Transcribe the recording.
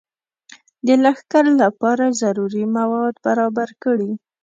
د لښکر لپاره ضروري مواد برابر کړي.